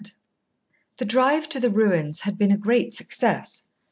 Chapter Six The drive to the ruins had been a great success.